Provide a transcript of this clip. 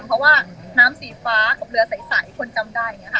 เพราะว่าน้ำสีฟ้ากับเรือใส่คนจะจำได้